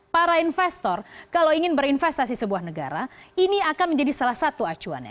para investor kalau ingin berinvestasi sebuah negara ini akan menjadi salah satu acuannya